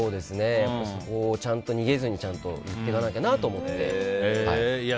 そこをちゃんと逃げずに言っていかなきゃなと思って。